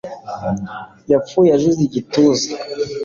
Yapfuye azize igituza